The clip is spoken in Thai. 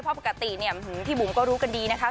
เพราะปกติเนี่ยพี่บุ๋มก็รู้กันดีนะคะ